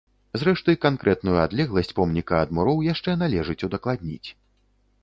Зрэшты, канкрэтную адлегласць помніка ад муроў яшчэ належыць удакладніць.